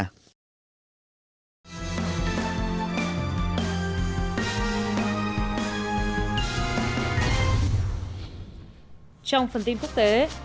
trong phần tin quốc tế